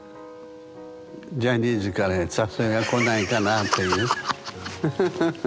ジャニーズから誘いが来ないかなっていう？